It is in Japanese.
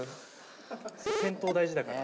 先頭大事だから。